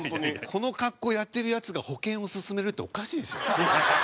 この格好やってるヤツが保険を勧めるっておかしいでしょ？